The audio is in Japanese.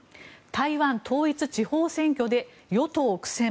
台湾統一地方選挙で与党苦戦。